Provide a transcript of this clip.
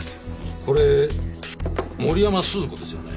これ森山鈴子ですよね